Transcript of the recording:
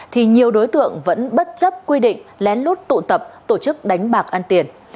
thì nhiều đối tượng vẫn bất chấp quy định lén lút tụ tập tổ chức đánh bạc ăn tiền